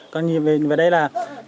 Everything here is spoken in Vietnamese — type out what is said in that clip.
còn nhìn về đây là